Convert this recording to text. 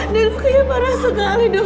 dan lukanya parah sekali dok